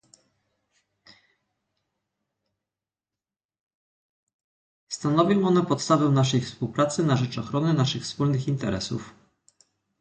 Stanowią one podstawę naszej współpracy na rzecz ochrony naszych wspólnych interesów